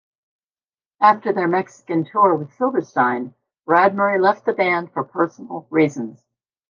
After their Mexican tour with Silverstein, Brad Murray left the band for personal reasons.